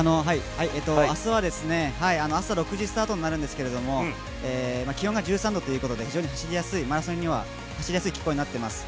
明日は朝６時スタートになるんですけれども、気温が１３度ということで、マラソンには走りやすい気候になっています。